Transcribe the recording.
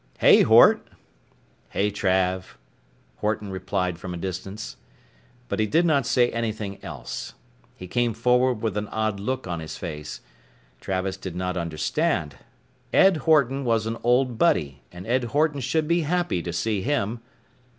"Hey, Hort." "Hey Trav," Horton replied from a distance. But he did not say anything else. He came forward with an odd look on his face. Travis did not understand. Ed Horton was an old buddy and Ed Horton should be happy to see him.